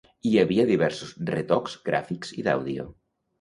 Hi havia diversos retocs gràfics i d'àudio.